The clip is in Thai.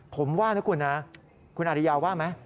ผมว่านะคุณนะคุณอาริยาว่าไหม